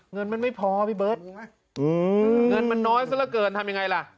เงินมันไม่พอพี่เบิร์ตเงินมันน้อยซะละเกินทำยังไงล่ะ